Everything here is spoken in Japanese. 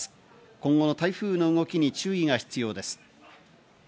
今後の台風の動きに注意が必要です。